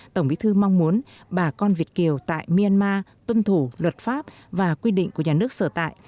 tổng bí thư mong muốn bà con việt kiều tại myanmar tuân thủ luật pháp và quy định của nhà nước sở tại